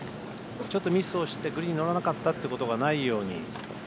ちょっとミスをしてグリーンに乗らなかったってことがないように。